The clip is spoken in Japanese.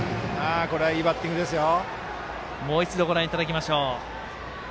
これはいいバッティングですよ。